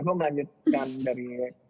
aku melanjutkan dari